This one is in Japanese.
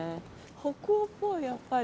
北欧っぽいやっぱり。